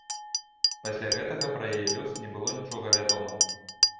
Пасля гэтага пра яе лёс не было нічога вядома.